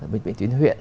bệnh viện tuyến huyện